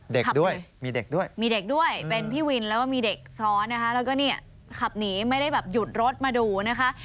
เด็กด้วยมีเด็กด้วยมีเด็กด้วยเป็นพี่วินแล้วก็มีเด็กซ้อนนะคะแล้วก็เนี่ยขับหนีไม่ได้แบบหยุดรถมาดูนะคะ